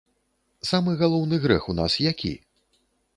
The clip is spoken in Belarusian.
Самы галоўны грэх у нас які?